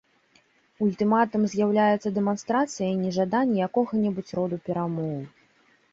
Ультыматум з'яўляецца дэманстрацыяй нежадання якога-небудзь роду перамоў.